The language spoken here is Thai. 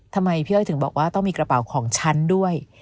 ทำไมพี่อ้อยถึงบอกว่าต้องมีกระเป๋าของฉันด้วย